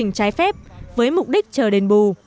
công trình trái phép với mục đích chờ đền bù